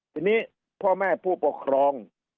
ทีนี้พ่อแม่ผู้ปกครอง